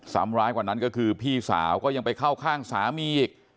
ร้ายกว่านั้นก็คือพี่สาวก็ยังไปเข้าข้างสามีอีก